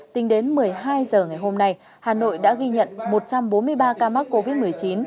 tính đến một mươi hai h ngày hôm nay hà nội đã ghi nhận một trăm bốn mươi ba ca mắc covid một mươi chín